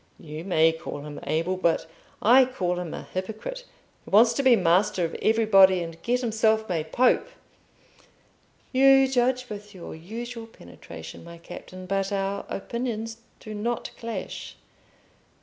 You may call him able, but I call him a hypocrite, who wants to be master of everybody, and get himself made Pope." "You judge with your usual penetration, my captain, but our opinions do not clash.